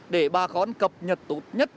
để bà con cập nhật tốt nhất